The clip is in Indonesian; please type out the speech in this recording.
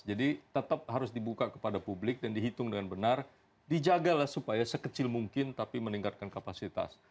jadi tetap harus dibuka kepada publik dan dihitung dengan benar dijagalah supaya sekecil mungkin tapi meningkatkan kapasitas